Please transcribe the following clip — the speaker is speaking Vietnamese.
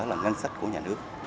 là ngân sách của nhà nước